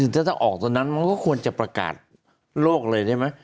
ถ้าออกตรงนั้นมันก็ควรจะประกาศโลกเลยใช่ไหม